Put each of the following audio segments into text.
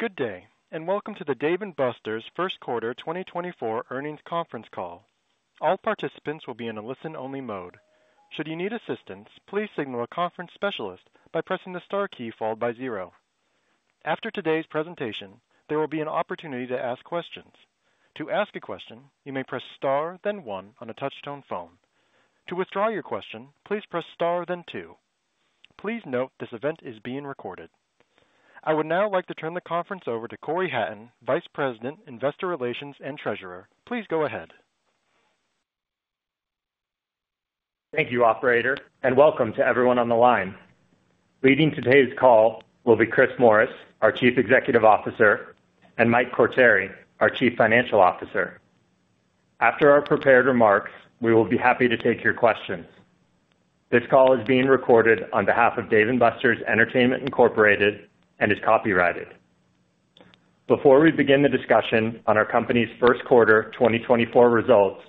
Good day, and welcome to the Dave & Buster's First Quarter 2024 Earnings Conference Call. All participants will be in a listen-only mode. Should you need assistance, please signal a conference specialist by pressing the star key followed by zero. After today's presentation, there will be an opportunity to ask questions. To ask a question, you may press star, then one on a touch-tone phone. To withdraw your question, please press star, then two. Please note, this event is being recorded. I would now like to turn the conference over to Cory Hatton, Vice President, Investor Relations and Treasurer. Please go ahead. Thank you, operator, and welcome to everyone on the line. Leading today's call will be Chris Morris, our Chief Executive Officer, and Mike Quartieri, our Chief Financial Officer. After our prepared remarks, we will be happy to take your questions. This call is being recorded on behalf of Dave & Buster's Entertainment, Incorporated, and is copyrighted. Before we begin the discussion on our company's first quarter 2024 results,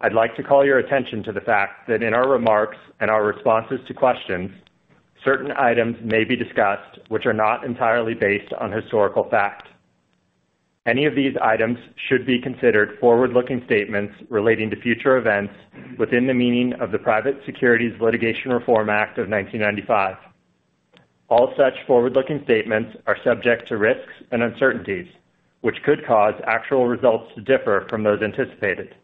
I'd like to call your attention to the fact that in our remarks and our responses to questions, certain items may be discussed, which are not entirely based on historical fact. Any of these items should be considered forward-looking statements relating to future events within the meaning of the Private Securities Litigation Reform Act of 1995. All such forward-looking statements are subject to risks and uncertainties, which could cause actual results to differ from those anticipated.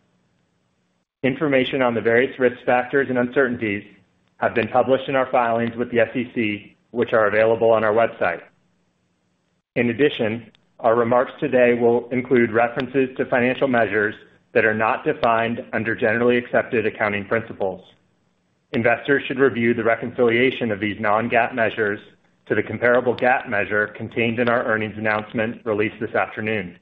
Information on the various risk factors and uncertainties have been published in our filings with the SEC, which are available on our website. In addition, our remarks today will include references to financial measures that are not defined under generally accepted accounting principles. Investors should review the reconciliation of these non-GAAP measures to the comparable GAAP measure contained in our earnings announcement released this afternoon.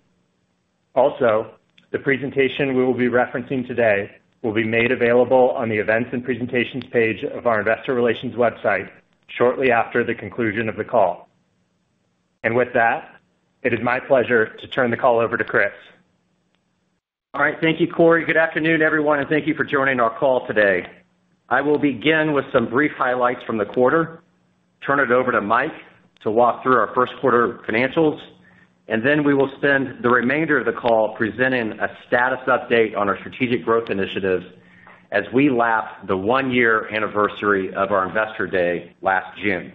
Also, the presentation we will be referencing today will be made available on the Events and Presentations page of our Investor Relations website shortly after the conclusion of the call. With that, it is my pleasure to turn the call over to Chris. All right. Thank you, Cory. Good afternoon, everyone, and thank you for joining our call today. I will begin with some brief highlights from the quarter, turn it over to Mike to walk through our first quarter financials, and then we will spend the remainder of the call presenting a status update on our strategic growth initiatives as we lap the one-year anniversary of our Investor Day last June.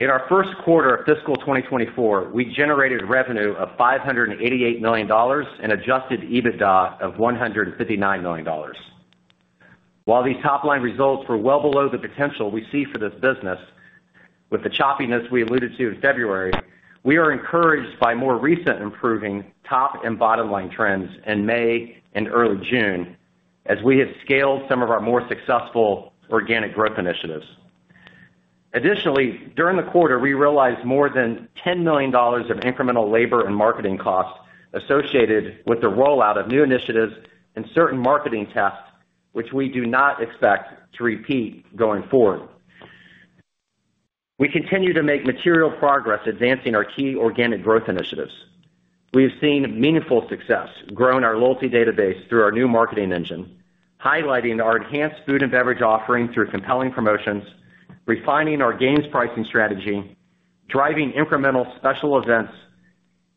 In our first quarter of fiscal 2024, we generated revenue of $588 million and adjusted EBITDA of $159 million. While these top-line results were well below the potential we see for this business, with the choppiness we alluded to in February, we are encouraged by more recent improving top and bottom-line trends in May and early June, as we have scaled some of our more successful organic growth initiatives. Additionally, during the quarter, we realized more than $10 million of incremental labor and marketing costs associated with the rollout of new initiatives and certain marketing tests, which we do not expect to repeat going forward. We continue to make material progress advancing our key organic growth initiatives. We have seen meaningful success growing our loyalty database through our new marketing engine, highlighting our enhanced food and beverage offering through compelling promotions, refining our games pricing strategy, driving incremental special events,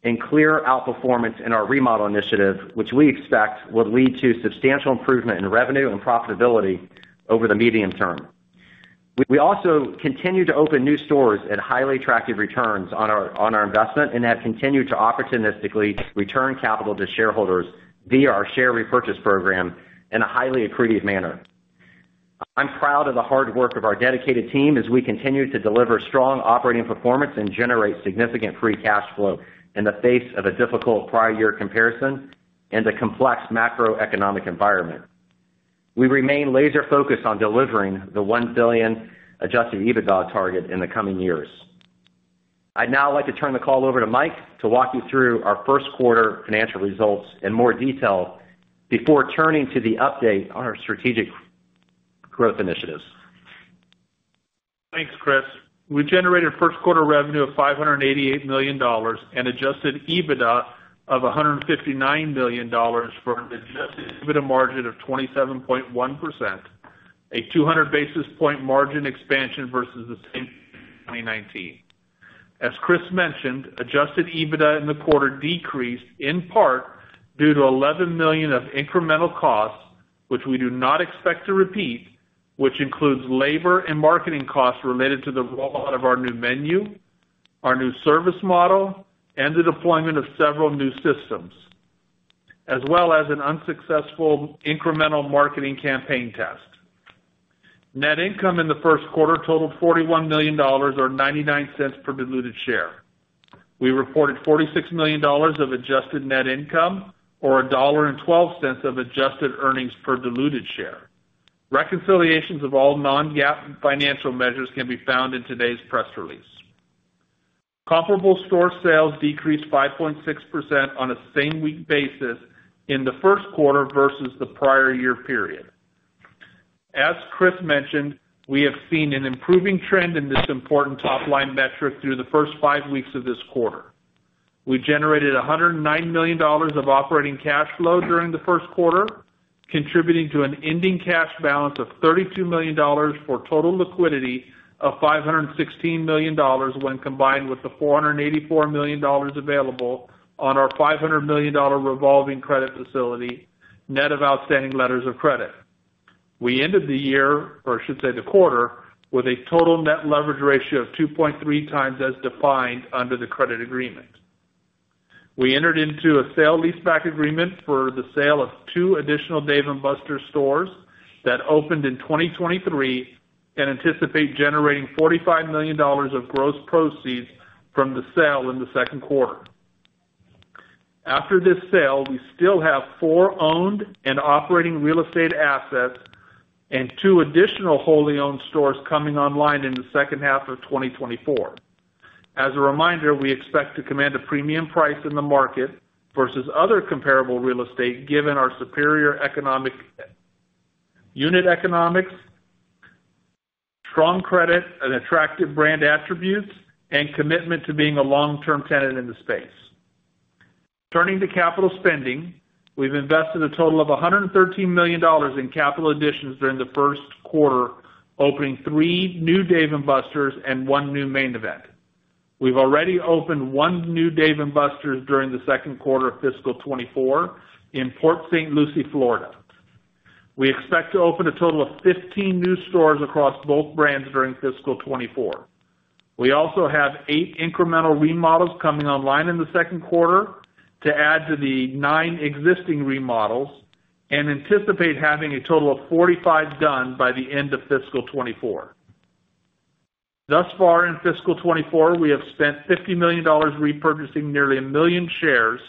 and clear outperformance in our remodel initiative, which we expect will lead to substantial improvement in revenue and profitability over the medium term. We also continue to open new stores at highly attractive returns on our investment, and have continued to opportunistically return capital to shareholders via our share repurchase program in a highly accretive manner. I'm proud of the hard work of our dedicated team as we continue to deliver strong operating performance and generate significant free cash flow in the face of a difficult prior year comparison and a complex macroeconomic environment. We remain laser focused on delivering the $1 billion adjusted EBITDA target in the coming years. I'd now like to turn the call over to Mike to walk you through our first quarter financial results in more detail before turning to the update on our strategic growth initiatives. Thanks, Chris. We generated first quarter revenue of $588 million and adjusted EBITDA of $159 million for an adjusted EBITDA margin of 27.1%, a 200 basis point margin expansion versus the same 2019. As Chris mentioned, adjusted EBITDA in the quarter decreased in part due to $11 million of incremental costs, which we do not expect to repeat, which includes labor and marketing costs related to the rollout of our new menu, our new service model, and the deployment of several new systems, as well as an unsuccessful incremental marketing campaign test. Net income in the first quarter totaled $41 million, or $0.99 per diluted share. We reported $46 million of adjusted net income, or $1.12 of adjusted earnings per diluted share. Reconciliations of all non-GAAP financial measures can be found in today's press release. Comparable store sales decreased 5.6% on a same week basis in the first quarter versus the prior year period. As Chris mentioned, we have seen an improving trend in this important top-line metric through the first five weeks of this quarter... We generated $109 million of operating cash flow during the first quarter, contributing to an ending cash balance of $32 million for total liquidity of $516 million, when combined with the $484 million available on our $500 million revolving credit facility, net of outstanding letters of credit. We ended the year, or I should say the quarter, with a total net leverage ratio of 2.3x as defined under the credit agreement. We entered into a sale-leaseback agreement for the sale of two additional Dave & Buster's stores that opened in 2023, and anticipate generating $45 million of gross proceeds from the sale in the second quarter. After this sale, we still have four owned and operating real estate assets and two additional wholly owned stores coming online in the second half of 2024. As a reminder, we expect to command a premium price in the market versus other comparable real estate, given our superior economic unit economics, strong credit and attractive brand attributes, and commitment to being a long-term tenant in the space. Turning to capital spending, we've invested a total of $113 million in capital additions during the first quarter, opening three new Dave & Buster's and one new Main Event. We've already opened one new Dave & Buster's during the second quarter of fiscal 2024 in Port St. Lucie, Florida. We expect to open a total of 15 new stores across both brands during fiscal 2024. We also have eight incremental remodels coming online in the second quarter to add to the nine existing remodels and anticipate having a total of 45 done by the end of fiscal 2024. Thus far in fiscal 2024, we have spent $50 million repurchasing nearly 1 million shares,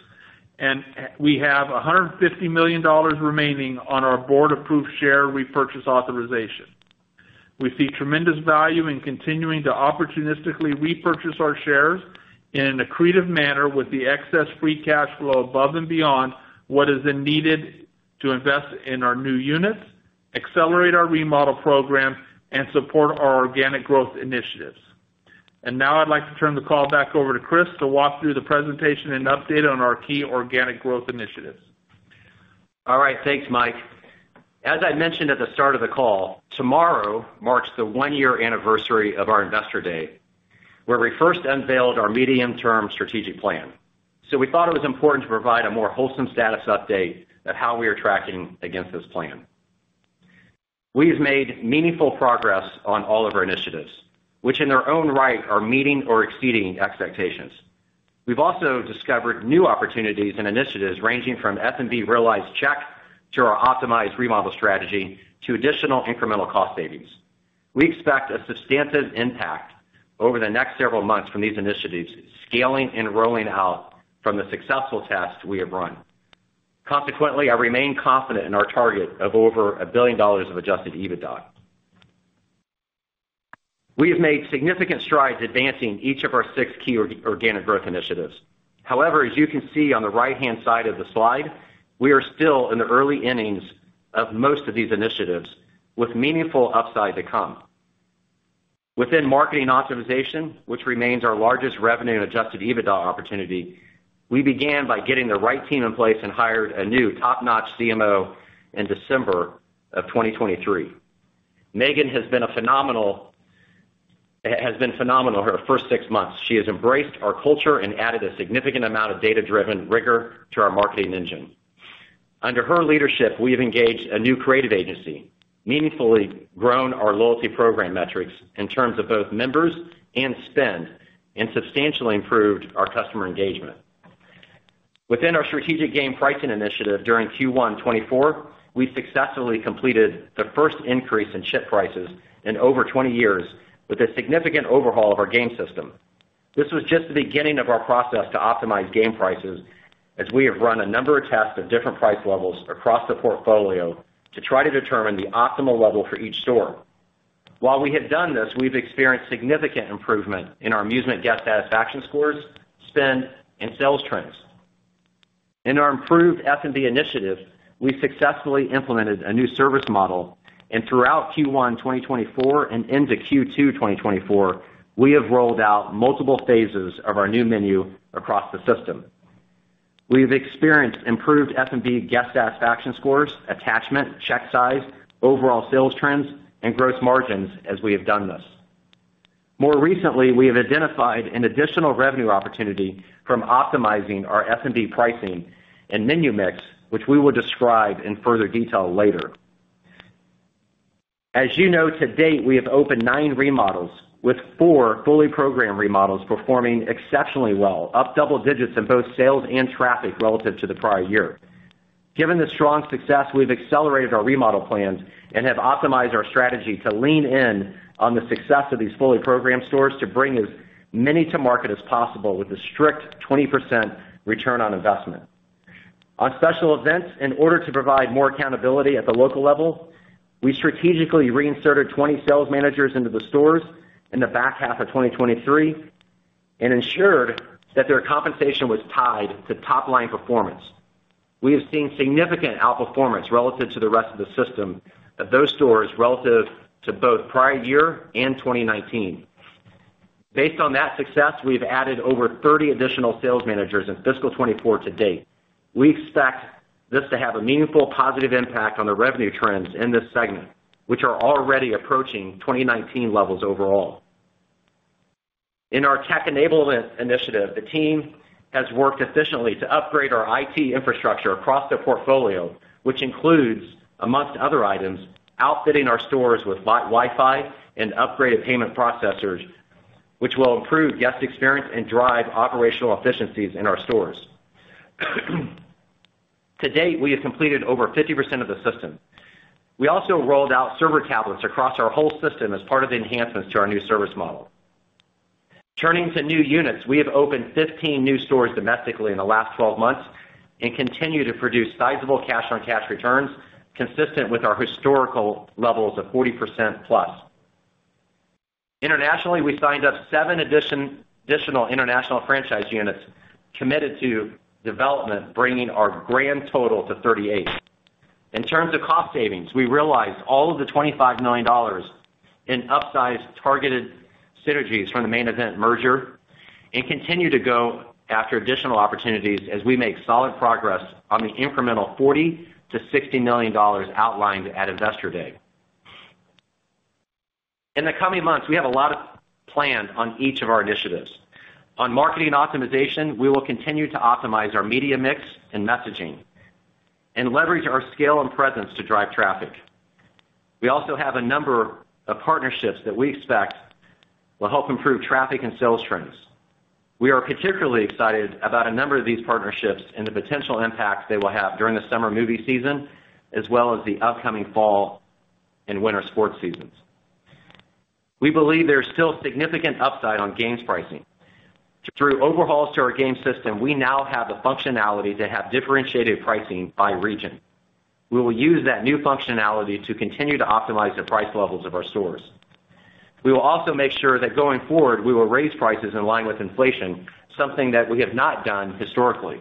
and we have $150 million remaining on our Board-approved share repurchase authorization. We see tremendous value in continuing to opportunistically repurchase our shares in an accretive manner with the excess free cash flow above and beyond what is then needed to invest in our new units, accelerate our remodel program, and support our organic growth initiatives. Now I'd like to turn the call back over to Chris to walk through the presentation and update on our key organic growth initiatives. All right. Thanks, Mike. As I mentioned at the start of the call, tomorrow marks the one-year anniversary of our Investor Day, where we first unveiled our medium-term strategic plan. So we thought it was important to provide a more wholesome status update of how we are tracking against this plan. We've made meaningful progress on all of our initiatives, which in their own right, are meeting or exceeding expectations. We've also discovered new opportunities and initiatives, ranging from F&B realized check, to our optimized remodel strategy, to additional incremental cost savings. We expect a substantive impact over the next several months from these initiatives, scaling and rolling out from the successful tests we have run. Consequently, I remain confident in our target of over $1 billion of adjusted EBITDA. We have made significant strides advancing each of our six key organic growth initiatives. However, as you can see on the right-hand side of the slide, we are still in the early innings of most of these initiatives, with meaningful upside to come. Within marketing optimization, which remains our largest revenue and adjusted EBITDA opportunity, we began by getting the right team in place and hired a new top-notch CMO in December of 2023. Megan has been phenomenal her first six months. She has embraced our culture and added a significant amount of data-driven rigor to our marketing engine. Under her leadership, we have engaged a new creative agency, meaningfully grown our loyalty program metrics in terms of both members and spend, and substantially improved our customer engagement. Within our strategic game pricing initiative during Q1 2024, we successfully completed the first increase in chip prices in over 20 years with a significant overhaul of our game system. This was just the beginning of our process to optimize game prices, as we have run a number of tests at different price levels across the portfolio to try to determine the optimal level for each store. While we have done this, we've experienced significant improvement in our amusement guest satisfaction scores, spend, and sales trends. In our improved F&B initiative, we successfully implemented a new service model, and throughout Q1 2024 and into Q2 2024, we have rolled out multiple phases of our new menu across the system. We've experienced improved F&B guest satisfaction scores, attachment, check size, overall sales trends, and gross margins as we have done this. More recently, we have identified an additional revenue opportunity from optimizing our F&B pricing and menu mix, which we will describe in further detail later. As you know, to date, we have opened nine remodels, with four fully programmed remodels performing exceptionally well, up double digits in both sales and traffic relative to the prior year. Given the strong success, we've accelerated our remodel plans and have optimized our strategy to lean in on the success of these fully programmed stores to bring as many to market as possible with a strict 20% return on investment. On special events, in order to provide more accountability at the local level, we strategically reinserted 20 sales managers into the stores in the back half of 2023 and ensured that their compensation was tied to top-line performance. We have seen significant outperformance relative to the rest of the system at those stores relative to both prior year and 2019. Based on that success, we've added over 30 additional sales managers in fiscal 2024 to date. We expect this to have a meaningful positive impact on the revenue trends in this segment, which are already approaching 2019 levels overall. In our tech enablement initiative, the team has worked efficiently to upgrade our IT infrastructure across the portfolio, which includes, among other items, outfitting our stores with Wi-Fi and upgraded payment processors, which will improve guest experience and drive operational efficiencies in our stores. To date, we have completed over 50% of the system. We also rolled out server tablets across our whole system as part of the enhancements to our new service model. Turning to new units, we have opened 15 new stores domestically in the last 12 months and continue to produce sizable cash-on-cash returns, consistent with our historical levels of 40%+. Internationally, we signed up seven additional international franchise units committed to development, bringing our grand total to 38. In terms of cost savings, we realized all of the $25 million in upsized targeted synergies from the Main Event merger and continue to go after additional opportunities as we make solid progress on the incremental $40 million-$60 million outlined at Investor Day. In the coming months, we have a lot of plans on each of our initiatives. On marketing optimization, we will continue to optimize our media mix and messaging, and leverage our scale and presence to drive traffic. We also have a number of partnerships that we expect will help improve traffic and sales trends. We are particularly excited about a number of these partnerships and the potential impact they will have during the summer movie season, as well as the upcoming fall and winter sports seasons. We believe there is still significant upside on games pricing. Through overhauls to our game system, we now have the functionality to have differentiated pricing by region. We will use that new functionality to continue to optimize the price levels of our stores. We will also make sure that going forward, we will raise prices in line with inflation, something that we have not done historically.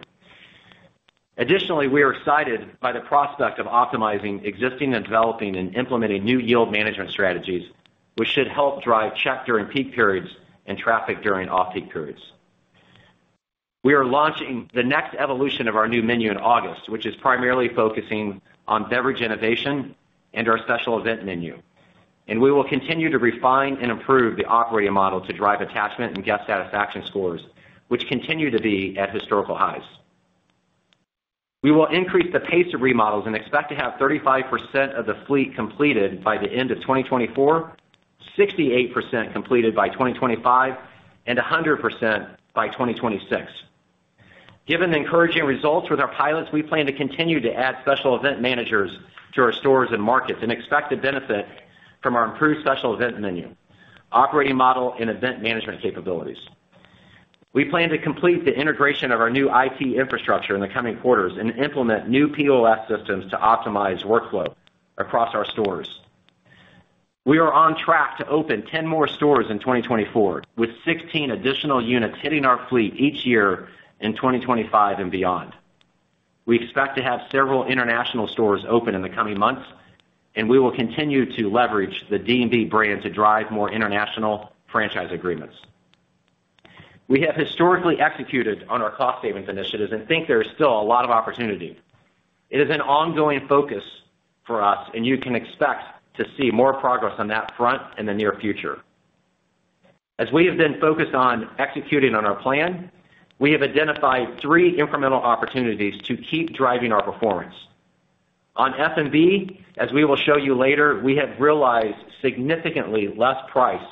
Additionally, we are excited by the prospect of optimizing existing and developing and implementing new yield management strategies, which should help drive check during peak periods and traffic during off-peak periods. We are launching the next evolution of our new menu in August, which is primarily focusing on beverage innovation and our special event menu, and we will continue to refine and improve the operating model to drive attachment and guest satisfaction scores, which continue to be at historical highs. We will increase the pace of remodels and expect to have 35% of the fleet completed by the end of 2024, 68% completed by 2025, and 100% by 2026. Given the encouraging results with our pilots, we plan to continue to add special event managers to our stores and markets and expect to benefit from our improved special event menu, operating model, and event management capabilities. We plan to complete the integration of our new IT infrastructure in the coming quarters and implement new POS systems to optimize workflow across our stores. We are on track to open 10 more stores in 2024, with 16 additional units hitting our fleet each year in 2025 and beyond. We expect to have several international stores open in the coming months, and we will continue to leverage the D&B brand to drive more international franchise agreements. We have historically executed on our cost savings initiatives and think there is still a lot of opportunity. It is an ongoing focus for us, and you can expect to see more progress on that front in the near future. As we have been focused on executing on our plan, we have identified three incremental opportunities to keep driving our performance. On F&B, as we will show you later, we have realized significantly less price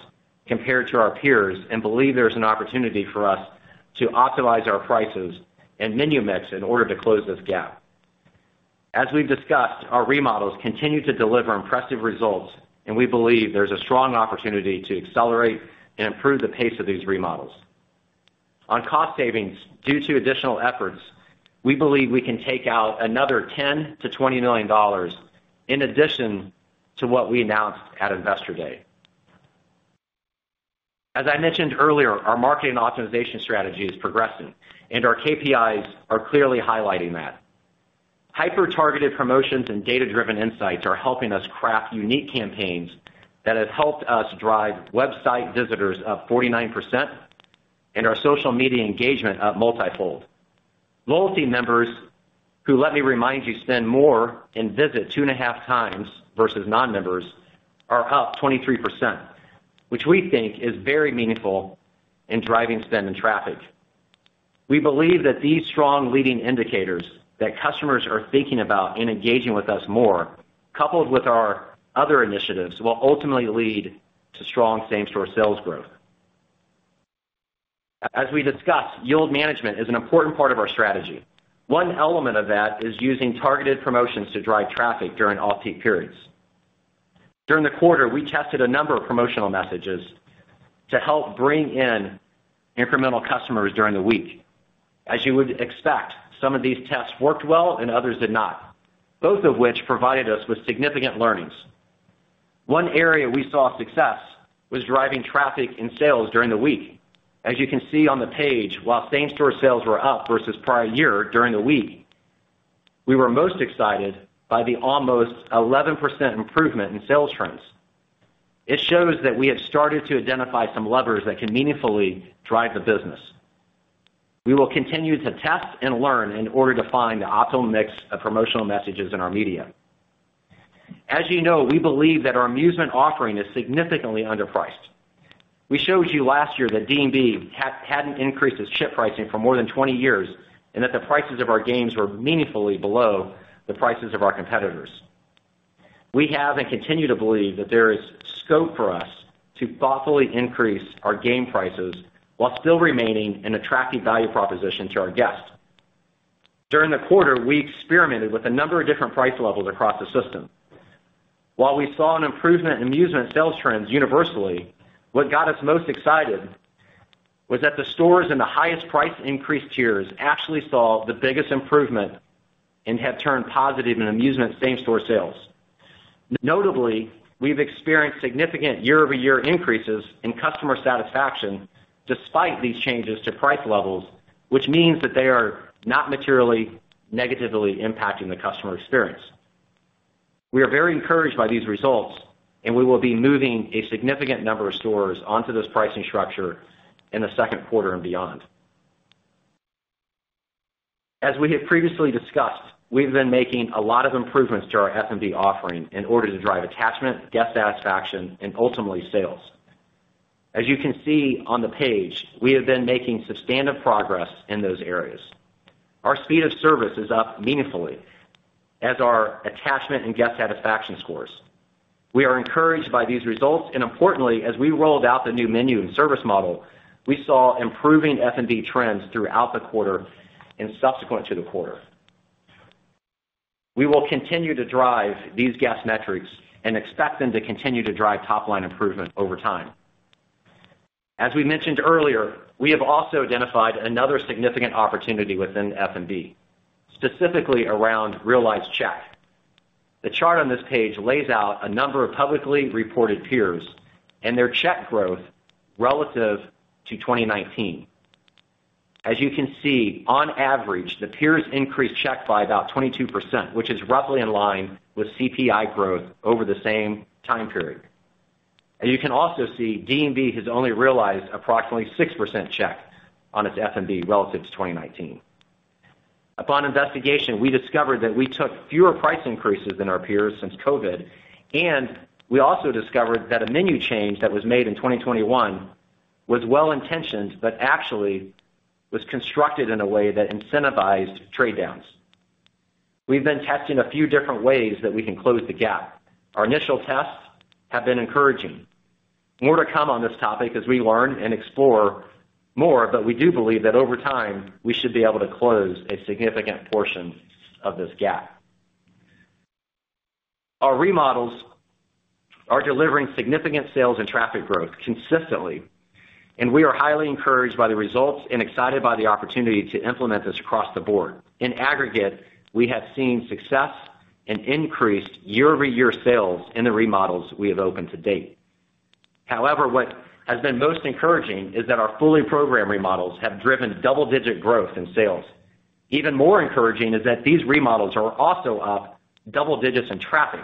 compared to our peers and believe there's an opportunity for us to optimize our prices and menu mix in order to close this gap. As we've discussed, our remodels continue to deliver impressive results, and we believe there's a strong opportunity to accelerate and improve the pace of these remodels. On cost savings, due to additional efforts, we believe we can take out another $10 million-$20 million in addition to what we announced at Investor Day. As I mentioned earlier, our marketing optimization strategy is progressing, and our KPIs are clearly highlighting that. Hyper-targeted promotions and data-driven insights are helping us craft unique campaigns that have helped us drive website visitors up 49% and our social media engagement up multifold. Loyalty members, who, let me remind you, spend more and visit 2.5x versus non-members, are up 23%, which we think is very meaningful in driving spend and traffic. We believe that these strong leading indicators that customers are thinking about and engaging with us more, coupled with our other initiatives, will ultimately lead to strong same-store sales growth. As we discussed, yield management is an important part of our strategy. One element of that is using targeted promotions to drive traffic during off-peak periods. During the quarter, we tested a number of promotional messages to help bring in incremental customers during the week. As you would expect, some of these tests worked well and others did not, both of which provided us with significant learnings. One area we saw success was driving traffic in sales during the week. As you can see on the page, while same-store sales were up versus prior year during the week, we were most excited by the almost 11% improvement in sales trends. It shows that we have started to identify some levers that can meaningfully drive the business. We will continue to test and learn in order to find the optimal mix of promotional messages in our media. As you know, we believe that our amusement offering is significantly underpriced. We showed you last year that D&B hadn't increased its chip pricing for more than 20 years, and that the prices of our games were meaningfully below the prices of our competitors. We have and continue to believe that there is scope for us to thoughtfully increase our game prices while still remaining an attractive value proposition to our guests. During the quarter, we experimented with a number of different price levels across the system. While we saw an improvement in amusement sales trends universally, what got us most excited was that the stores in the highest price increase tiers actually saw the biggest improvement and have turned positive in amusement same-store sales. Notably, we've experienced significant year-over-year increases in customer satisfaction despite these changes to price levels, which means that they are not materially negatively impacting the customer experience. We are very encouraged by these results, and we will be moving a significant number of stores onto this pricing structure in the second quarter and beyond. As we have previously discussed, we've been making a lot of improvements to our F&B offering in order to drive attachment, guest satisfaction, and ultimately, sales. As you can see on the page, we have been making substantive progress in those areas. Our speed of service is up meaningfully as our attachment and guest satisfaction scores. We are encouraged by these results, and importantly, as we rolled out the new menu and service model, we saw improving F&B trends throughout the quarter and subsequent to the quarter. We will continue to drive these guest metrics and expect them to continue to drive top-line improvement over time. As we mentioned earlier, we have also identified another significant opportunity within F&B, specifically around realized check. The chart on this page lays out a number of publicly reported peers and their check growth relative to 2019. As you can see, on average, the peers increased check by about 22%, which is roughly in line with CPI growth over the same time period. And you can also see D&B has only realized approximately 6% check on its F&B relative to 2019. Upon investigation, we discovered that we took fewer price increases than our peers since COVID, and we also discovered that a menu change that was made in 2021 was well-intentioned, but actually was constructed in a way that incentivized trade downs. We've been testing a few different ways that we can close the gap. Our initial tests have been encouraging. More to come on this topic as we learn and explore more, but we do believe that over time, we should be able to close a significant portion of this gap. Our remodels are delivering significant sales and traffic growth consistently, and we are highly encouraged by the results and excited by the opportunity to implement this across the board. In aggregate, we have seen success and increased year-over-year sales in the remodels we have opened to date. However, what has been most encouraging is that our fully programmed remodels have driven double-digit growth in sales. Even more encouraging is that these remodels are also up double digits in traffic.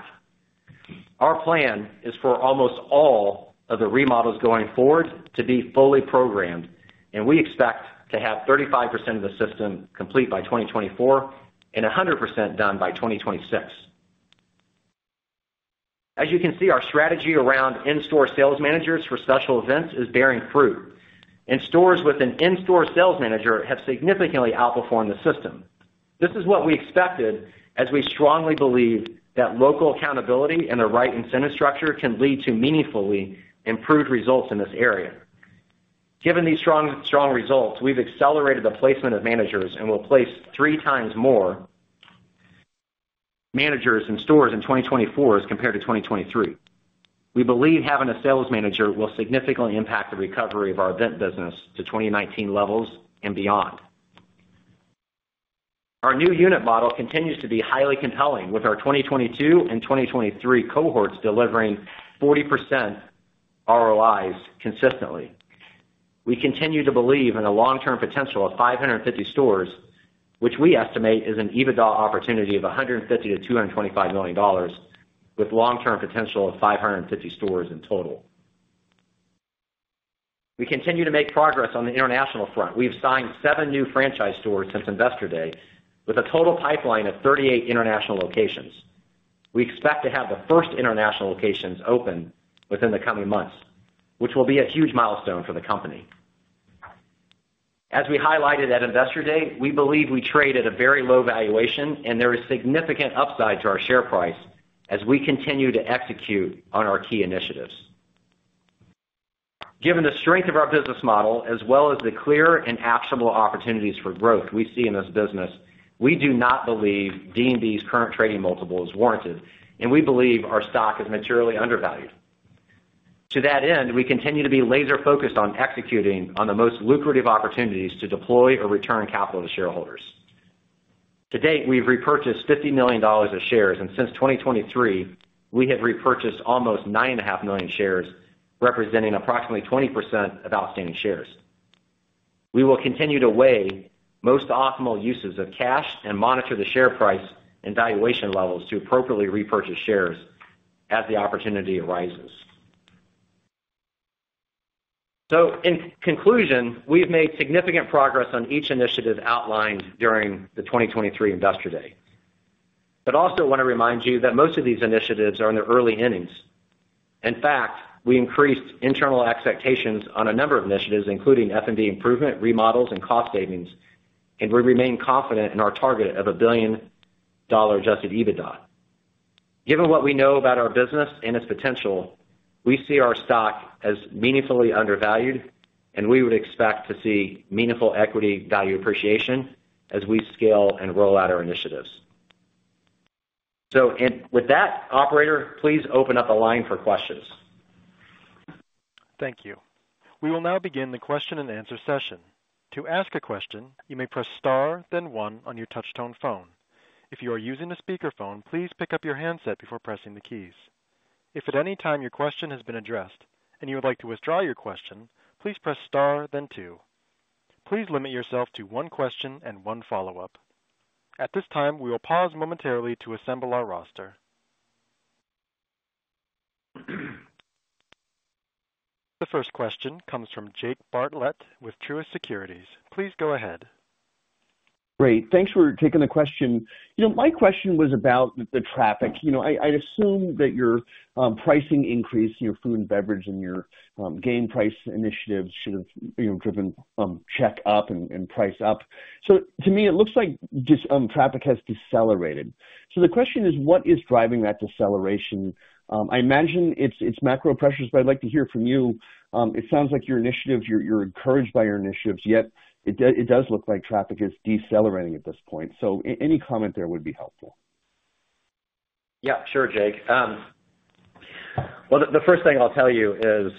Our plan is for almost all of the remodels going forward to be fully programmed, and we expect to have 35% of the system complete by 2024 and 100% done by 2026. As you can see, our strategy around in-store sales managers for special events is bearing fruit, and stores with an in-store sales manager have significantly outperformed the system. This is what we expected, as we strongly believe that local accountability and the right incentive structure can lead to meaningfully improved results in this area. Given these strong, strong results, we've accelerated the placement of managers and will place three times more managers in stores in 2024 as compared to 2023. We believe having a sales manager will significantly impact the recovery of our event business to 2019 levels and beyond. Our new unit model continues to be highly compelling, with our 2022 and 2023 cohorts delivering 40% ROIs consistently. We continue to believe in a long-term potential of 550 stores, which we estimate is an EBITDA opportunity of $150 million-$225 million, with long-term potential of 550 stores in total. We continue to make progress on the international front. We've signed 7 new franchise stores since Investor Day, with a total pipeline of 38 international locations. We expect to have the first international locations open within the coming months, which will be a huge milestone for the company. As we highlighted at Investor Day, we believe we trade at a very low valuation, and there is significant upside to our share price as we continue to execute on our key initiatives. Given the strength of our business model, as well as the clear and actionable opportunities for growth we see in this business, we do not believe D&B's current trading multiple is warranted, and we believe our stock is materially undervalued.... To that end, we continue to be laser-focused on executing on the most lucrative opportunities to deploy or return capital to shareholders. To date, we've repurchased $50 million of shares, and since 2023, we have repurchased almost 9.5 million shares, representing approximately 20% of outstanding shares. We will continue to weigh most optimal uses of cash and monitor the share price and valuation levels to appropriately repurchase shares as the opportunity arises. In conclusion, we've made significant progress on each initiative outlined during the 2023 Investor Day. But also want to remind you that most of these initiatives are in their early innings. In fact, we increased internal expectations on a number of initiatives, including F&B improvement, remodels, and cost savings, and we remain confident in our target of a billion-dollar adjusted EBITDA. Given what we know about our business and its potential, we see our stock as meaningfully undervalued, and we would expect to see meaningful equity value appreciation as we scale and roll out our initiatives. So, and with that, operator, please open up the line for questions. Thank you. We will now begin the question-and-answer session. To ask a question, you may press Star, then One on your touch-tone phone. If you are using a speakerphone, please pick up your handset before pressing the keys. If at any time your question has been addressed and you would like to withdraw your question, please press Star then Two. Please limit yourself to one question and one follow-up. At this time, we will pause momentarily to assemble our roster. The first question comes from Jake Bartlett with Truist Securities. Please go ahead. Great. Thanks for taking the question. You know, my question was about the traffic. You know, I assume that your pricing increase, your food and beverage and your game price initiatives should have, you know, driven check up and price up. So to me, it looks like just traffic has decelerated. So the question is, what is driving that deceleration? I imagine it's macro pressures, but I'd like to hear from you. It sounds like your initiatives, you're encouraged by your initiatives, yet it does look like traffic is decelerating at this point. So any comment there would be helpful. Yeah, sure, Jake. Well, the first thing I'll tell you is,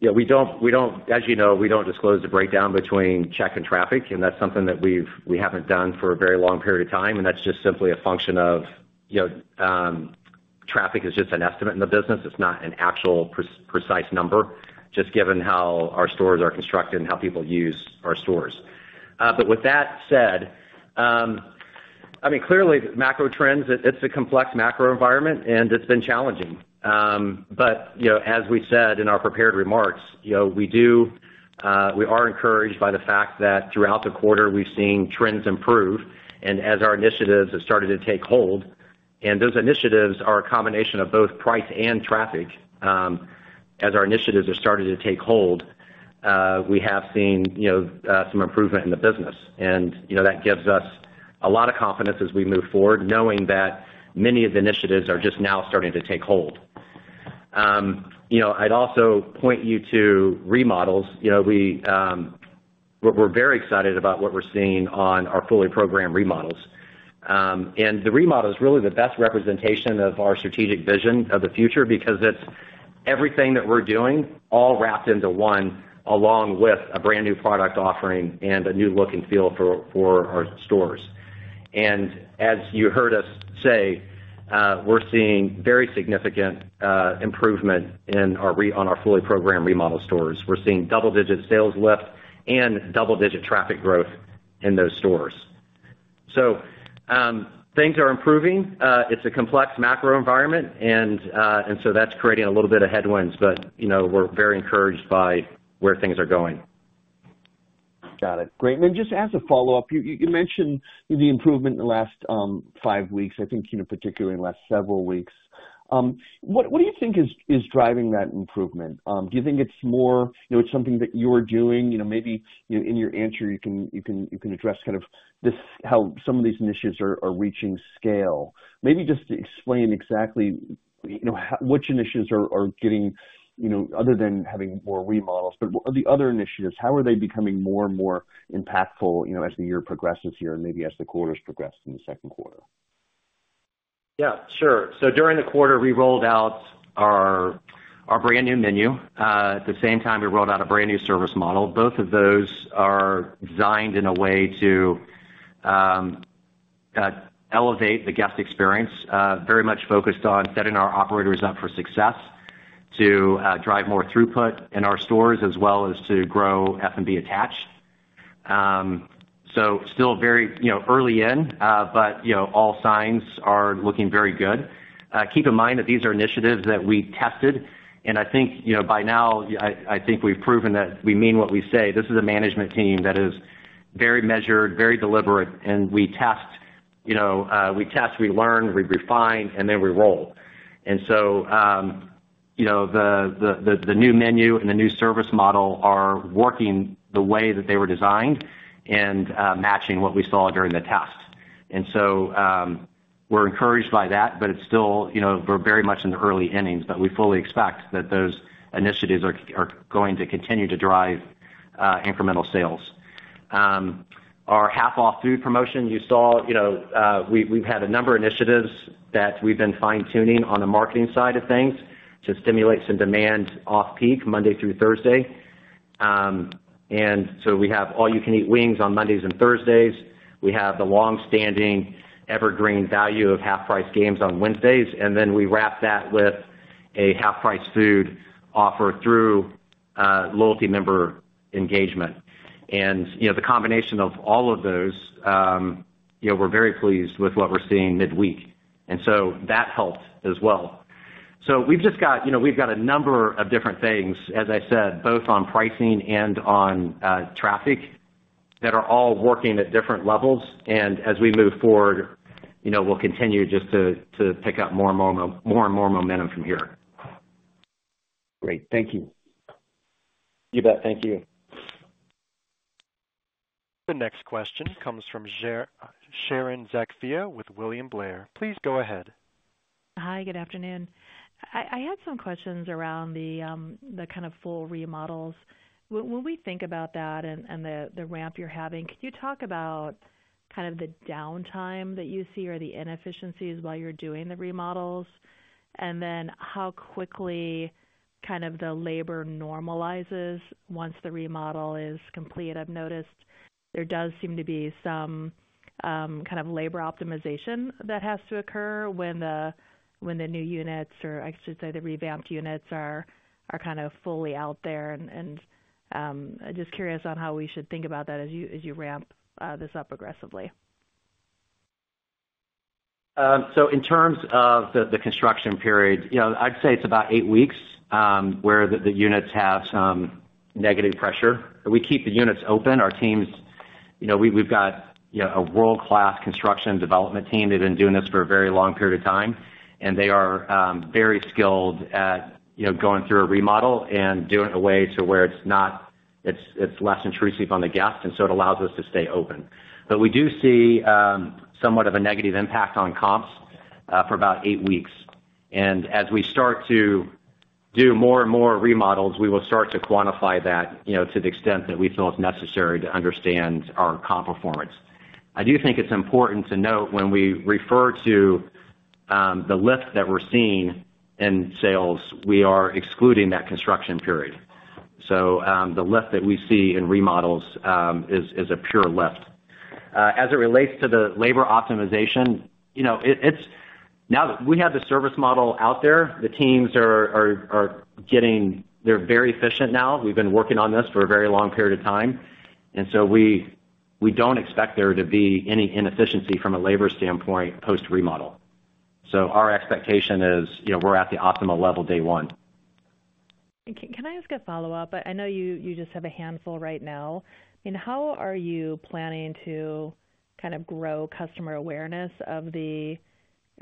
you know, we don't—as you know, we don't disclose the breakdown between check and traffic, and that's something that we haven't done for a very long period of time, and that's just simply a function of, you know, traffic is just an estimate in the business. It's not an actual precise number, just given how our stores are constructed and how people use our stores. But with that said, I mean, clearly, macro trends, it's a complex macro environment, and it's been challenging. But, you know, as we said in our prepared remarks, you know, we do, we are encouraged by the fact that throughout the quarter, we've seen trends improve and as our initiatives have started to take hold. Those initiatives are a combination of both price and traffic. As our initiatives have started to take hold, we have seen, you know, some improvement in the business, and, you know, that gives us a lot of confidence as we move forward, knowing that many of the initiatives are just now starting to take hold. You know, I'd also point you to remodels. You know, we're very excited about what we're seeing on our fully programmed remodels. And the remodel is really the best representation of our strategic vision of the future because it's everything that we're doing, all wrapped into one, along with a brand-new product offering and a new look and feel for our stores. And as you heard us say, we're seeing very significant improvement on our fully programmed remodel stores. We're seeing double-digit sales lift and double-digit traffic growth in those stores. So, things are improving. It's a complex macro environment, and so that's creating a little bit of headwinds, but, you know, we're very encouraged by where things are going. Got it. Great. And then just as a follow-up, you mentioned the improvement in the last five weeks, I think, you know, particularly in the last several weeks. What do you think is driving that improvement? Do you think it's more, you know, it's something that you're doing? You know, maybe, you know, in your answer, you can address kind of this, how some of these initiatives are reaching scale. Maybe just explain exactly, you know, how, which initiatives are getting, you know, other than having more remodels, but the other initiatives, how are they becoming more and more impactful, you know, as the year progresses here and maybe as the quarters progress in the second quarter? Yeah, sure. So during the quarter, we rolled out our brand-new menu. At the same time, we rolled out a brand-new service model. Both of those are designed in a way to elevate the guest experience, very much focused on setting our operators up for success, to drive more throughput in our stores, as well as to grow F&B attached. So still very, you know, early in, but, you know, all signs are looking very good. Keep in mind that these are initiatives that we tested, and I think, you know, by now, I think we've proven that we mean what we say. This is a management team that is very measured, very deliberate, and we test, you know, we test, we learn, we refine, and then we roll. And so, you know, the new menu and the new service model are working the way that they were designed and, matching what we saw during the test. And so, we're encouraged by that, but it's still, you know, we're very much in the early innings, but we fully expect that those initiatives are going to continue to drive incremental sales. Our half off food promotion, you saw, you know, we've had a number of initiatives that we've been fine-tuning on the marketing side of things to stimulate some demand off-peak, Monday through Thursday. And so we have All You Can Eat Wings on Mondays and Thursdays. We have the long-standing evergreen value of Half-Price Games on Wednesdays, and then we wrap that with a half-price food offer through loyalty member engagement. You know, the combination of all of those, you know, we're very pleased with what we're seeing midweek, and so that helped as well. We've just got, you know, we've got a number of different things, as I said, both on pricing and on traffic, that are all working at different levels. As we move forward, you know, we'll continue just to pick up more and more, more and more momentum from here. Great. Thank you. You bet. Thank you. The next question comes from Sharon Zackfia with William Blair. Please go ahead. Hi, good afternoon. I had some questions around the kind of full remodels. When we think about that and the ramp you're having, could you talk about kind of the downtime that you see or the inefficiencies while you're doing the remodels, and then how quickly kind of the labor normalizes once the remodel is complete? I've noticed there does seem to be some kind of labor optimization that has to occur when the new units, or I should say, the revamped units are kind of fully out there. And I'm just curious on how we should think about that as you ramp this up aggressively. So in terms of the construction period, you know, I'd say it's about eight weeks, where the units have some negative pressure. But we keep the units open. Our teams, you know, we've got, you know, a world-class construction development team. They've been doing this for a very long period of time, and they are very skilled at, you know, going through a remodel and doing it in a way to where it's less intrusive on the guest, and so it allows us to stay open. But we do see somewhat of a negative impact on comps for about eight weeks. And as we start to do more and more remodels, we will start to quantify that, you know, to the extent that we feel is necessary to understand our comp performance. I do think it's important to note, when we refer to the lift that we're seeing in sales, we are excluding that construction period. So, the lift that we see in remodels is a pure lift. As it relates to the labor optimization, you know, now that we have the service model out there, the teams are getting, they're very efficient now. We've been working on this for a very long period of time, and so we don't expect there to be any inefficiency from a labor standpoint post-remodel. So our expectation is, you know, we're at the optimal level day one. Can I ask a follow-up? I know you just have a handful right now. I mean, how are you planning to kind of grow customer awareness of the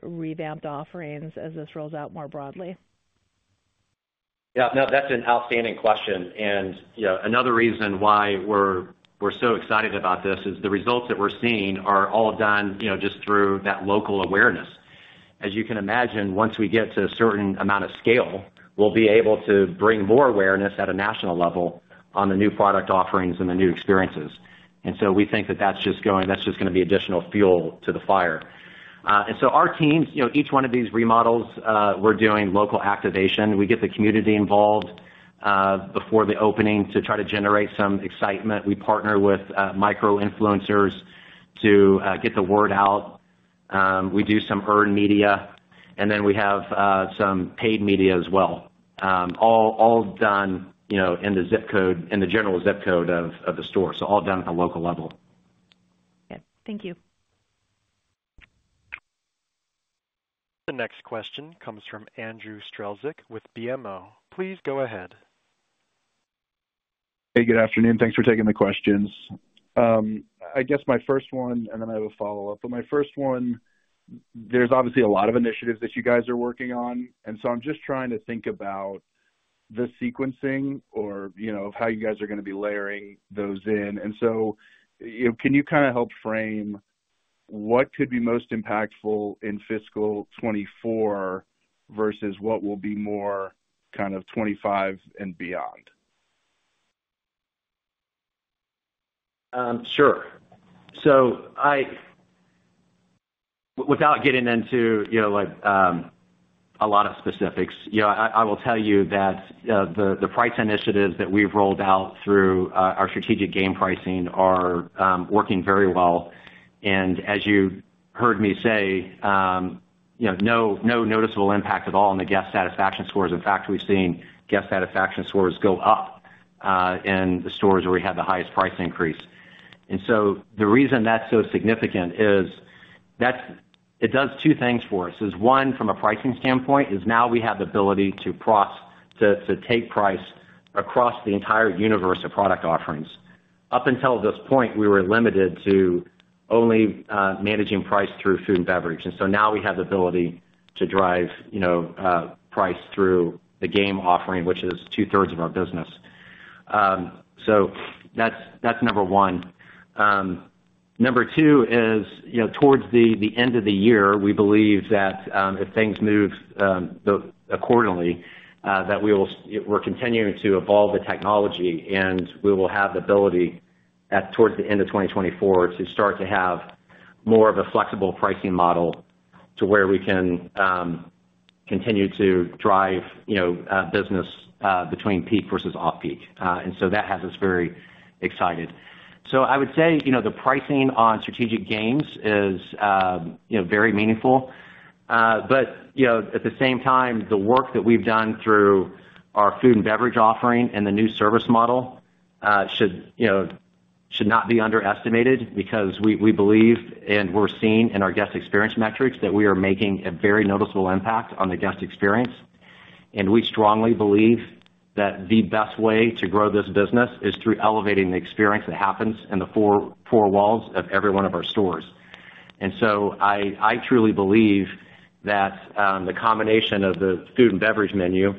revamped offerings as this rolls out more broadly? Yeah. No, that's an outstanding question, and, you know, another reason why we're, we're so excited about this is the results that we're seeing are all done, you know, just through that local awareness. As you can imagine, once we get to a certain amount of scale, we'll be able to bring more awareness at a national level on the new product offerings and the new experiences. And so we think that that's just going, that's just gonna be additional fuel to the fire. And so our teams, you know, each one of these remodels, we're doing local activation. We get the community involved before the opening to try to generate some excitement. We partner with micro-influencers to get the word out. We do some earned media, and then we have some paid media as well. All done, you know, in the zip code, in the general zip code of the store, so all done at a local level. Okay, thank you. The next question comes from Andrew Strelzik with BMO. Please go ahead. Hey, good afternoon. Thanks for taking the questions. I guess my first one, and then I have a follow-up. But my first one, there's obviously a lot of initiatives that you guys are working on, and so I'm just trying to think about the sequencing or, you know, how you guys are gonna be layering those in. And so, you know, can you kind of help frame what could be most impactful in fiscal 2024 versus what will be more kind of 2025 and beyond? Sure. So without getting into, you know, like, a lot of specifics, you know, I will tell you that the price initiatives that we've rolled out through our strategic game pricing are working very well. And as you heard me say, you know, no, no noticeable impact at all on the guest satisfaction scores. In fact, we've seen guest satisfaction scores go up in the stores where we had the highest price increase. And so the reason that's so significant is that it does two things for us, one, from a pricing standpoint, now we have the ability to price to take price across the entire universe of product offerings. Up until this point, we were limited to only, managing price through food and beverage, and so now we have the ability to drive, you know, price through the game offering, which is two-thirds of our business. So that's, that's number one. Number two is, you know, towards the end of the year, we believe that, if things move, the accordingly, that we will, we're continuing to evolve the technology, and we will have the ability at towards the end of 2024 to start to have more of a flexible pricing model to where we can, continue to drive, you know, business, between peak versus off-peak. And so that has us very excited. So I would say, you know, the pricing on strategic games is, you know, very meaningful. But, you know, at the same time, the work that we've done through our food and beverage offering and the new service model, you know, should not be underestimated because we believe, and we're seeing in our guest experience metrics, that we are making a very noticeable impact on the guest experience. And we strongly believe that the best way to grow this business is through elevating the experience that happens in the four walls of every one of our stores. And so I truly believe that the combination of the food and beverage menu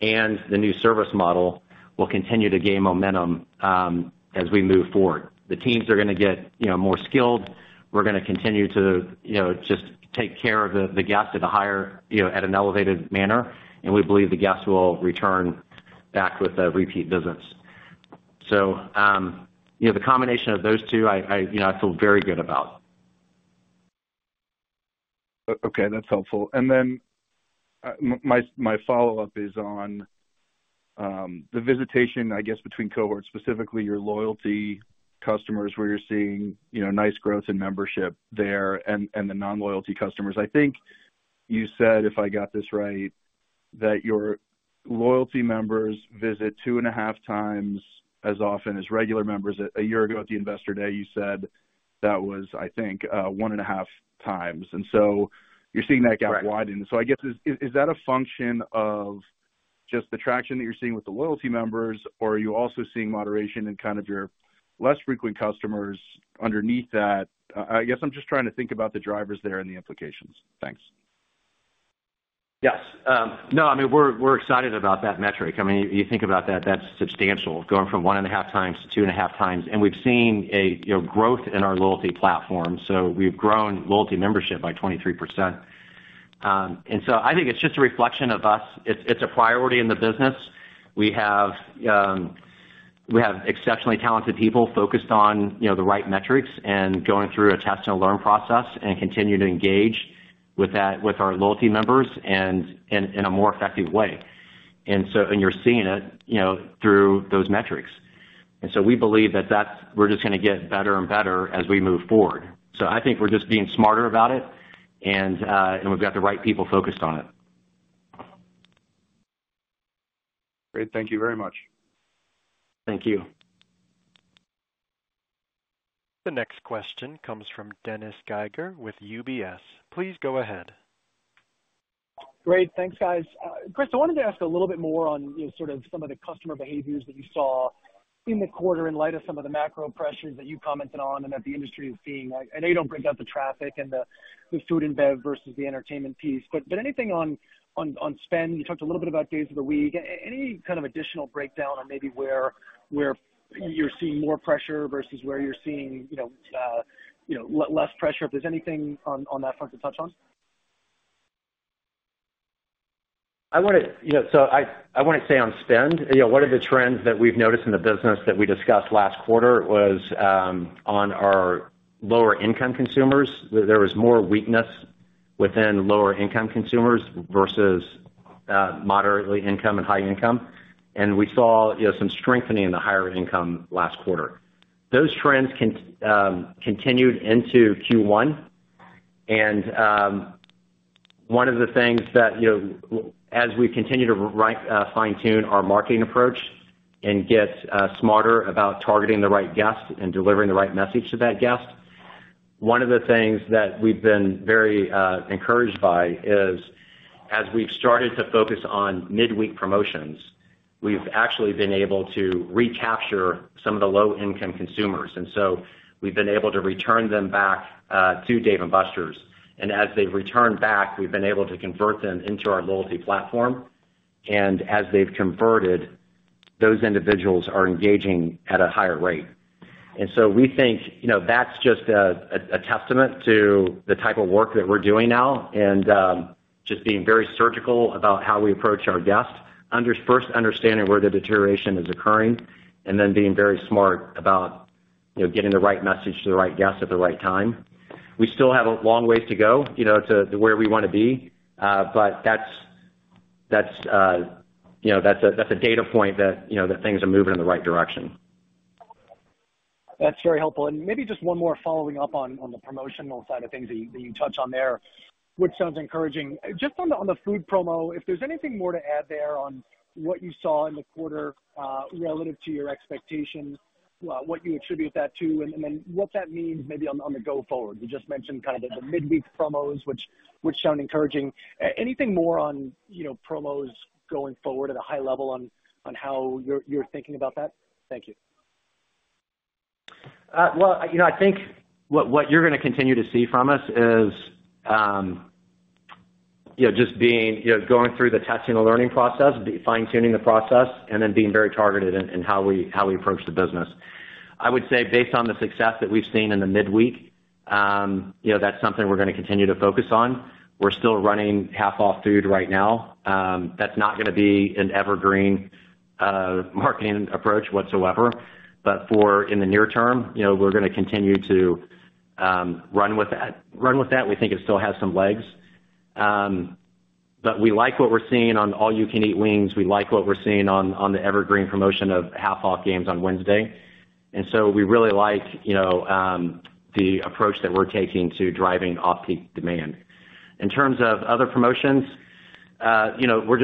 and the new service model will continue to gain momentum as we move forward. The teams are gonna get, you know, more skilled. We're gonna continue to, you know, just take care of the guest at a higher, you know, at an elevated manner, and we believe the guests will return back with repeat visits. So, you know, the combination of those two, you know, I feel very good about. Okay, that's helpful. And then my follow-up is on the visitation, I guess, between cohorts, specifically your loyalty customers, where you're seeing, you know, nice growth in membership there and the non-loyalty customers. I think you said, if I got this right, that your loyalty members visit 2.5x as often as regular members. A year ago, at the Investor Day, you said that was, I think, 1.5x, and so you're seeing that gap widen. Correct. So I guess, is that a function of just the traction that you're seeing with the loyalty members, or are you also seeing moderation in kind of your less frequent customers underneath that? I guess I'm just trying to think about the drivers there and the implications. Thanks. Yes. No, I mean, we're, we're excited about that metric. I mean, you think about that, that's substantial, going from 1.5x to 2.5x, and we've seen a, you know, growth in our loyalty platform. So we've grown loyalty membership by 23%. And so I think it's just a reflection of us. It's, it's a priority in the business. We have, we have exceptionally talented people focused on, you know, the right metrics and going through a test and learn process and continuing to engage with that, with our loyalty members and in, in a more effective way. And so, and you're seeing it, you know, through those metrics. And so we believe that, that's, we're just gonna get better and better as we move forward. So I think we're just being smarter about it, and we've got the right people focused on it. Great. Thank you very much. Thank you. The next question comes from Dennis Geiger with UBS. Please go ahead. Great. Thanks, guys. Chris, I wanted to ask a little bit more on, you know, sort of some of the customer behaviors that you saw in the quarter in light of some of the macro pressures that you commented on and that the industry is seeing. I know you don't break out the traffic and the food and bev versus the entertainment piece, but anything on spend? You talked a little bit about days of the week. Any kind of additional breakdown on maybe where you're seeing more pressure versus where you're seeing, you know, less pressure, if there's anything on that front to touch on? I wanna, you know, so I wanna stay on spend. You know, one of the trends that we've noticed in the business that we discussed last quarter was on our lower income consumers. There was more weakness within lower income consumers versus moderate income and high income. And we saw, you know, some strengthening in the higher income last quarter. Those trends continued into Q1, and one of the things that, you know, as we continue to fine-tune our marketing approach and get smarter about targeting the right guest and delivering the right message to that guest, one of the things that we've been very encouraged by is, as we've started to focus on midweek promotions, we've actually been able to recapture some of the low-income consumers. And so we've been able to return them back to Dave & Buster's. And as they've returned back, we've been able to convert them into our loyalty platform, and as they've converted, those individuals are engaging at a higher rate. And so we think, you know, that's just a testament to the type of work that we're doing now and just being very surgical about how we approach our guests. First, understanding where the deterioration is occurring, and then being very smart about, you know, getting the right message to the right guest at the right time. We still have a long ways to go, you know, to where we want to be, but that's a data point that, you know, that things are moving in the right direction. That's very helpful. And maybe just one more following up on the promotional side of things that you touched on there, which sounds encouraging. Just on the food promo, if there's anything more to add there on what you saw in the quarter relative to your expectations, what you attribute that to, and then what that means maybe on the go forward. You just mentioned kind of the midweek promos, which sound encouraging. Anything more on, you know, promos going forward at a high level on how you're thinking about that? Thank you. Well, you know, I think what, what you're gonna continue to see from us is. You know, just being, you know, going through the testing and learning process, be fine-tuning the process, and then being very targeted in, in how we, how we approach the business. I would say, based on the success that we've seen in the midweek, you know, that's something we're gonna continue to focus on. We're still running half off food right now. That's not gonna be an evergreen marketing approach whatsoever. But for in the near term, you know, we're gonna continue to run with that, run with that. We think it still has some legs. But we like what we're seeing on All You Can Eat Wings. We like what we're seeing on, on the evergreen promotion of half off games on Wednesday. And so we really like, you know, the approach that we're taking to driving off-peak demand. In terms of other promotions, you know,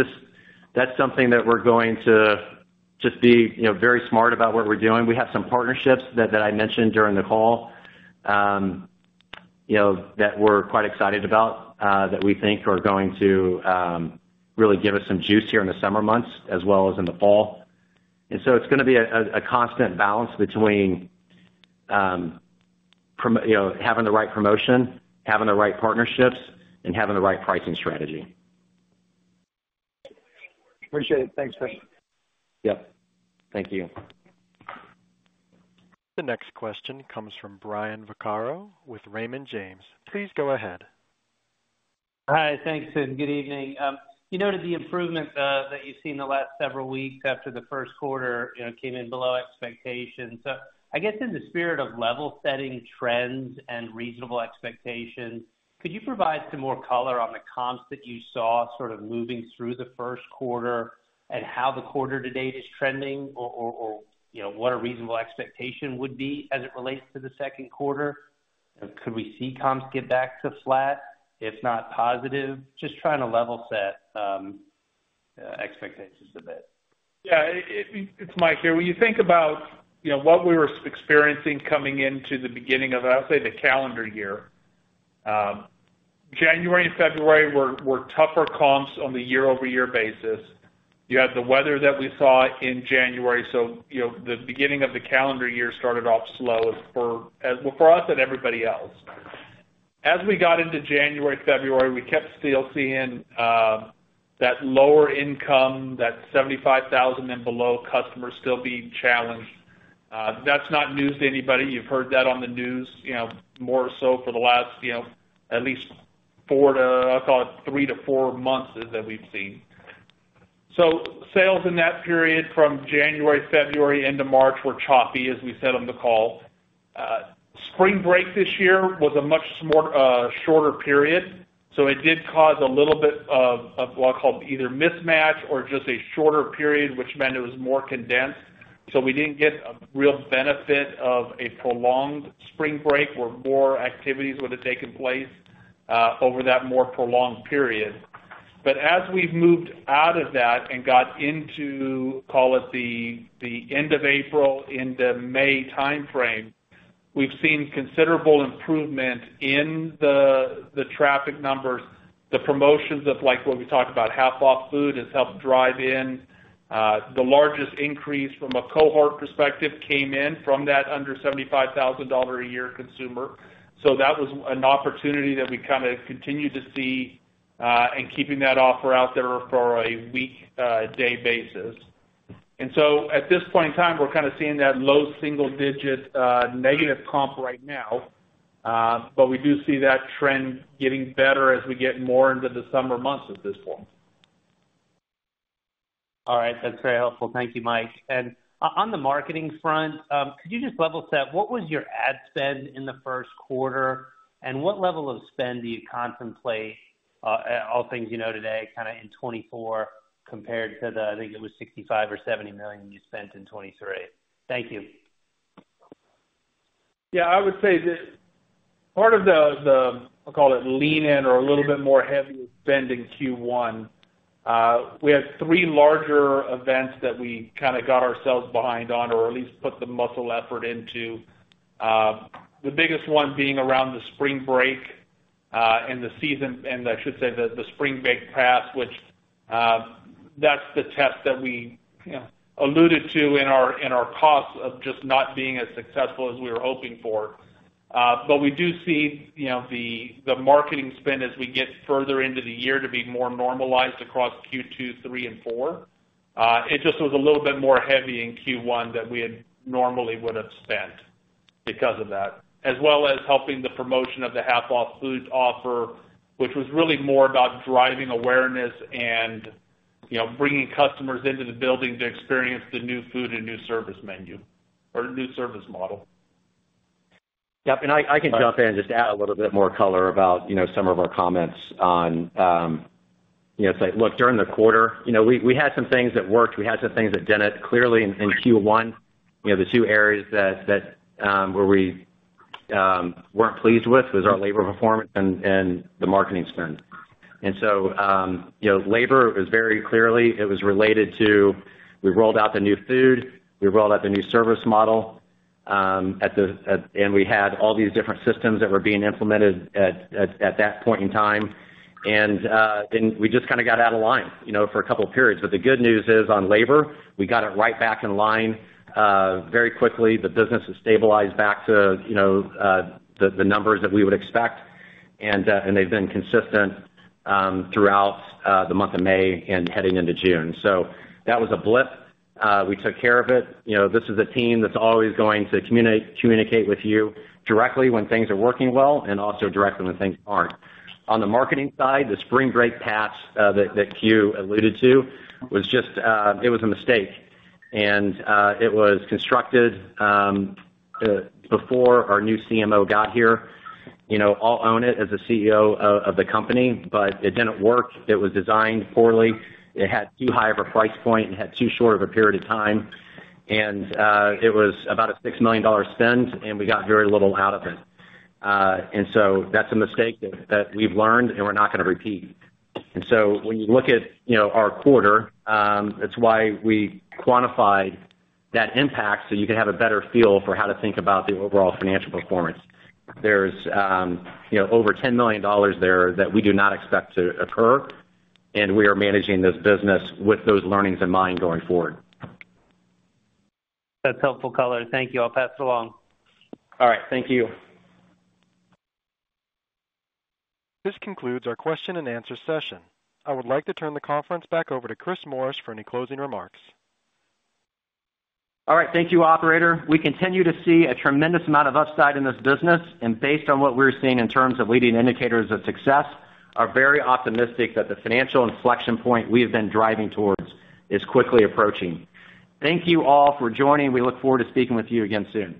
that's something that we're going to just be, you know, very smart about what we're doing. We have some partnerships that, that I mentioned during the call, you know, that we're quite excited about, that we think are going to really give us some juice here in the summer months, as well as in the fall. And so it's gonna be a constant balance between you know, having the right promotion, having the right partnerships, and having the right pricing strategy. Appreciate it. Thanks, Chris. Yep, thank you. The next question comes from Brian Vaccaro with Raymond James. Please go ahead. Hi. Thanks, and good evening. You noted the improvements that you've seen in the last several weeks after the first quarter, you know, came in below expectations. So I guess in the spirit of level-setting trends and reasonable expectations, could you provide some more color on the comps that you saw sort of moving through the first quarter, and how the quarter to date is trending or, you know, what a reasonable expectation would be as it relates to the second quarter? Could we see comps get back to flat, if not positive? Just trying to level set expectations a bit. Yeah, it's Mike here. When you think about, you know, what we were experiencing coming into the beginning of, I would say, the calendar year, January and February were tougher comps on the year-over-year basis. You had the weather that we saw in January, so, you know, the beginning of the calendar year started off slow as well for us and everybody else. As we got into January, February, we kept still seeing that lower income, that $75,000 and below customers still being challenged. That's not news to anybody. You've heard that on the news, you know, more so for the last, you know, at least four to, I thought, three to four months that we've seen. So sales in that period from January, February into March were choppy, as we said on the call. Spring break this year was a much more shorter period, so it did cause a little bit of what I'll call either mismatch or just a shorter period, which meant it was more condensed. So we didn't get a real benefit of a prolonged spring break, where more activities would have taken place over that more prolonged period. But as we've moved out of that and got into, call it, the end of April into May timeframe, we've seen considerable improvement in the traffic numbers. The promotions of like what we talked about, half off food, has helped drive in the largest increase from a cohort perspective, came in from that under $75,000 a year consumer. So that was an opportunity that we kinda continued to see in keeping that offer out there for a week, day basis. And so at this point in time, we're kinda seeing that low single digit negative comp right now. But we do see that trend getting better as we get more into the summer months at this point. All right. That's very helpful. Thank you, Mike. And on the marketing front, could you just level set, what was your ad spend in the first quarter? And what level of spend do you contemplate, all things you know today, kinda in 2024 compared to the, I think it was $65 million or $70 million you spent in 2023. Thank you. Yeah, I would say that part of the, I'll call it, lean in or a little bit more heavy spend in Q1, we had three larger events that we kinda got ourselves behind on, or at least put the muscle effort into. The biggest one being around the spring break and the season, and I should say the Spring Break Pass, which, that's the test that we, you know, alluded to in our costs of just not being as successful as we were hoping for. But we do see, you know, the marketing spend as we get further into the year to be more normalized across Q2, three, and four. It just was a little bit more heavy in Q1 than we had normally would have spent because of that. As well as helping the promotion of the half off food offer, which was really more about driving awareness and, you know, bringing customers into the building to experience the new food and new service menu or new service model. Yep, and I can jump in and just add a little bit more color about, you know, some of our comments on, you know, say, look, during the quarter, you know, we had some things that worked, we had some things that didn't. Clearly, in Q1, we have the two areas that where we weren't pleased with was our labor performance and the marketing spend. And so, you know, labor is very clearly, it was related to... We rolled out the new food, we rolled out the new service model, at the, and we had all these different systems that were being implemented at that point in time. And we just kinda got out of line, you know, for a couple of periods. But the good news is, on labor, we got it right back in line, very quickly. The business has stabilized back to, you know, the numbers that we would expect, and they've been consistent throughout the month of May and heading into June. So that was a blip. We took care of it. You know, this is a team that's always going to communicate with you directly when things are working well, and also directly when things aren't. On the marketing side, the Spring Break Pass that you alluded to was just, it was a mistake. It was constructed before our new CMO got here. You know, I'll own it as a CEO of the company, but it didn't work. It was designed poorly. It had too high of a price point, and had too short of a period of time. It was about a $6 million spend, and we got very little out of it. So that's a mistake that we've learned, and we're not gonna repeat. So when you look at, you know, our quarter, it's why we quantified that impact, so you can have a better feel for how to think about the overall financial performance. There's, you know, over $10 million there that we do not expect to occur, and we are managing this business with those learnings in mind going forward. That's helpful color. Thank you. I'll pass it along. All right. Thank you. This concludes our question and answer session. I would like to turn the conference back over to Chris Morris for any closing remarks. All right. Thank you, operator. We continue to see a tremendous amount of upside in this business, and based on what we're seeing in terms of leading indicators of success, are very optimistic that the financial inflection point we have been driving towards is quickly approaching. Thank you all for joining. We look forward to speaking with you again soon.